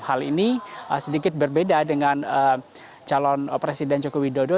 hal ini sedikit berbeda dengan calon presiden jokowi dodo